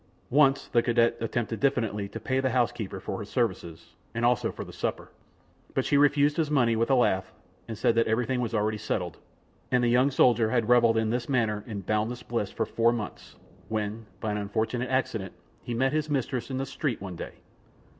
Once the cadet attempted diffidently to pay the housekeeper for her services, and also for the supper, but she refused his money with a laugh, and said that everything was already settled; and the young soldier had reveled in this manner in boundless bliss for four months, when, by an unfortunate accident, he met his mistress in the street one day.